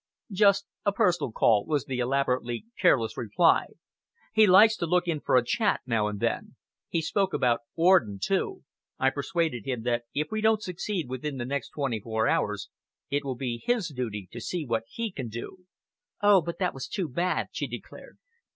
"Just a personal call," was the elaborately careless reply. "He likes to look in for a chat, now and then. He spoke about Orden, too. I persuaded him that if we don't succeed within the next twenty four hours, it will be his duty to see what he can do." "Oh, but that was too bad!" she declared.